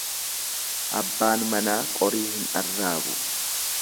Abbaan manaa qorii hin arraabu.